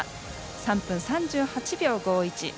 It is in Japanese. ３分３８秒５１。